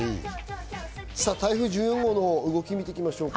台風１４号の動きを見ておきましょう。